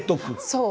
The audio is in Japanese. そう。